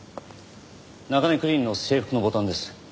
中根クリーンの制服のボタンです。